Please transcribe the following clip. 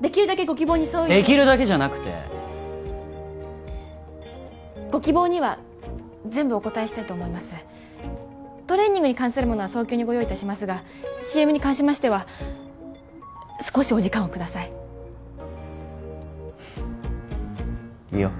できるだけご希望に沿うようできるだけじゃなくてご希望には全部お応えしたいと思いますトレーニングに関するものは早急にご用意いたしますがＣＭに関しましては少しお時間をくださいいいよ